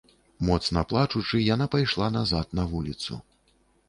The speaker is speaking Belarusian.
Моцна плачучы, яна пайшла назад на вуліцу.